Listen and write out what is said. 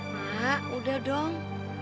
mak udah dong